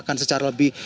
ceritakan secara lebih